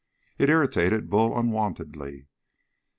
It irritated Bull unwontedly.